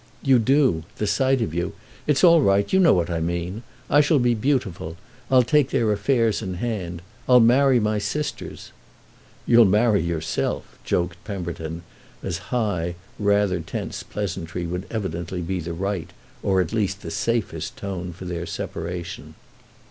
"You do—the sight of you. It's all right; you know what I mean. I shall be beautiful. I'll take their affairs in hand; I'll marry my sisters." "You'll marry yourself!" joked Pemberton; as high, rather tense pleasantry would evidently be the right, or the safest, tone for their separation.